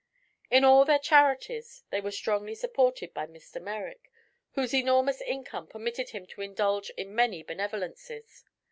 In all their charities they were strongly supported by Mr. Merrick, whose enormous income permitted him to indulge in many benevolences.